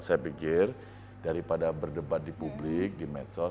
saya pikir daripada berdebat di publik di medsos